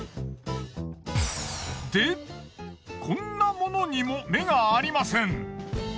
でこんなものにも目がありません。